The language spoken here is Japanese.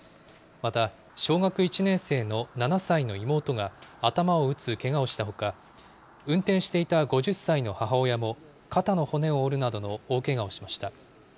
また、小学１年生の７歳の妹が頭を打つけがをしたほか、運転していた５０歳の母親も肩の骨を折るなどの大けがをしました。